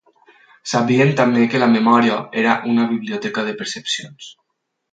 Sabien també que la memòria era una biblioteca de percepcions.